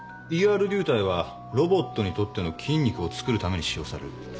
ＥＲ流体はロボットにとっての筋肉を作るために使用される。